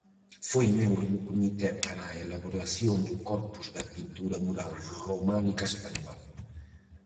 Foi membro do comité para a elaboración do corpus da pintura mural románica española.